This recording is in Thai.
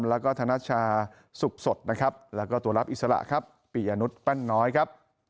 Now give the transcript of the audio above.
แล้วก็ธนชาสุขสดนะครับแล้วก็ตัวรับอิสระครับปียนุษยแป้นน้อยครับ